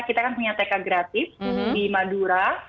kita kan punya tk gratis di madura